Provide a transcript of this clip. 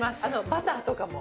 バターとかも。